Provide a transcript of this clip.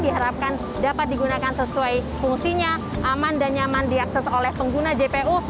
diharapkan dapat digunakan sesuai fungsinya aman dan nyaman diakses oleh pengguna jpo